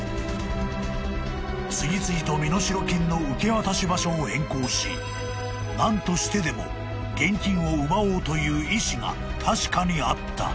［次々と身代金の受け渡し場所を変更し何としてでも現金を奪おうという意思が確かにあった］